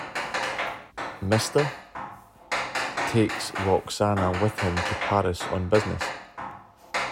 Mr. -- takes Roxana with him to Paris on business.